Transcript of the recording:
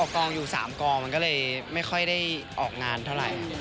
กองอยู่๓กองมันก็เลยไม่ค่อยได้ออกงานเท่าไหร่